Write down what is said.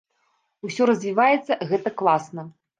Усё развіваецца, гэта класна.